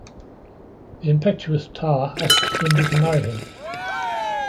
The impetuous Ta asks Linda to marry him.